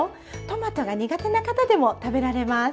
トマトが苦手な方でも食べられます。